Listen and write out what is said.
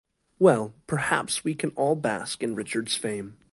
Well, perhaps we can all bask in Richard's fame.